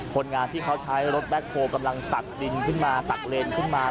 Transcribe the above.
คนงานที่เขาใช้รถแบ็คโฮลกำลังตักดินขึ้นมาตักเลนขึ้นมา